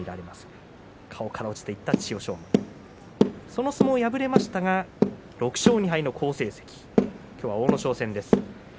その相撲は敗れましたが６勝２敗の好成績、阿武咲戦です。